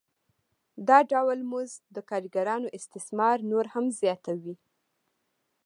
دا ډول مزد د کارګرانو استثمار نور هم زیاتوي